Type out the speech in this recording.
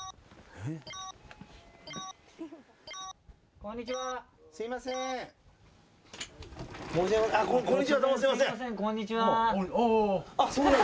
こんにちは。